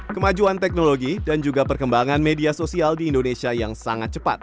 kemajuan teknologi dan juga perkembangan media sosial di indonesia yang sangat cepat